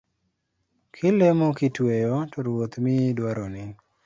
Kilemo kitweyo to Ruoth miyi dwaroni